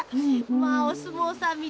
まあおすもうさんみたい。